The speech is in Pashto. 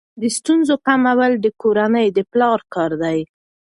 د ستونزو کمول د کورنۍ د پلار کار دی.